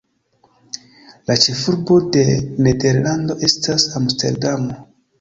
La ĉefurbo de Nederlando estas Amsterdamo.